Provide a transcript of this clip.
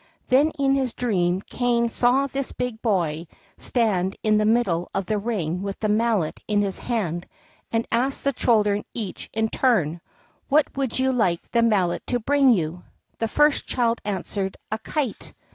Then in his dream Kané saw this big boy stand in the middle of the ring with the Mallet in his hand, and ask the children each in turn, "What would you like the Mallet to bring you?" The first child answered, "A kite."